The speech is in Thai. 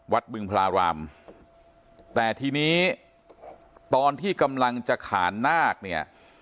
บึงพลารามแต่ทีนี้ตอนที่กำลังจะขานนาคเนี่ย